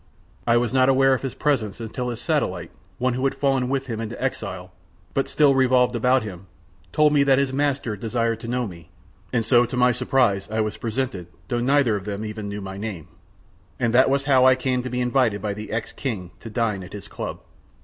I was not aware of his presence until his satellite, one who had fallen with him into exile but still revolved about him, told me that his master desired to know me; and so to my surprise I was presented though neither of them even knew my name. And that was how I came to be invited by the ex King to dine at his club.